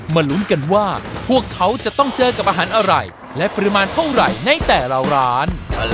ลุ้นกันว่าพวกเขาจะต้องเจอกับอาหารอะไรและปริมาณเท่าไหร่ในแต่ละร้าน